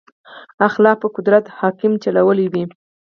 اخلاق پر قدرت حکم چلولی وي.